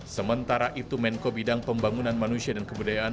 sementara itu menko bidang pembangunan manusia dan kebudayaan